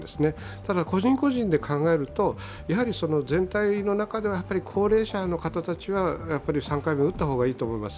ただ、個人個人で考えると全体の中では高齢者の方たちはやっぱり３回目打った方がいいと思います。